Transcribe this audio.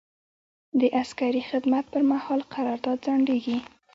د عسکري خدمت پر مهال قرارداد ځنډیږي.